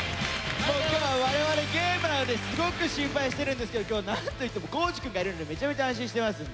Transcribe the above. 今日は我々ゲームなのですごく心配してるんですけど今日はなんといっても康二くんがいるのでめちゃめちゃ安心してますんで。